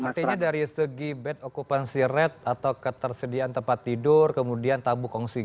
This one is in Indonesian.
artinya dari segi bed okupansi red atau ketersediaan tempat tidur kemudian tabung kongsi